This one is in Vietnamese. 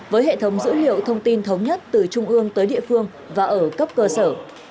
với hệ thống dữ liệu thông tin thống nhất từ trung ương tới địa phương và ở cấp cơ sở